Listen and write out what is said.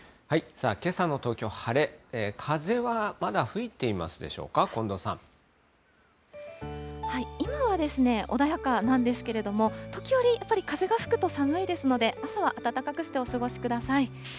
さあ、けさの東京、晴れ、風はまだ吹いていますでしょうか、今はですね、穏やかなんですけれども、時折やっぱり風が吹くと寒いですので、朝は暖かくしてお過ごしください。